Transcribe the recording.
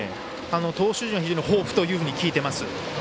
投手陣は非常に豊富と聞いています。